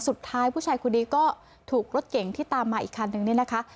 สุดท้ายผู้ชายคนนี้ก็ถูกรถเก่งที่ตามมาอีกคันนึงเนี่ยนะคะ